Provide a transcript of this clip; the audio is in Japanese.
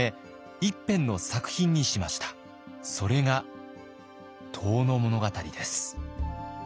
それが「遠野物語」です。